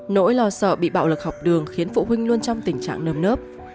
nỗi lo sợ bị bạo lực học đường khiến phụ huynh luôn trong tình trạng nâm nớp